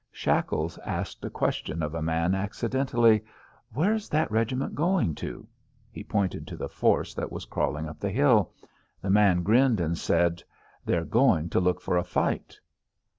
Shackles asked a question of a man accidentally: "Where's that regiment going to?" He pointed to the force that was crawling up the hill. The man grinned, and said, "They're going to look for a fight!"